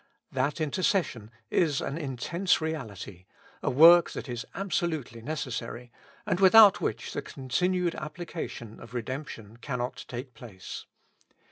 That intercession is an intense reality, a work that is absolutely necessary, and with out which the continued application of redemption cannot take place.